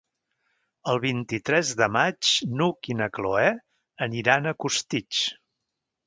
El vint-i-tres de maig n'Hug i na Cloè aniran a Costitx.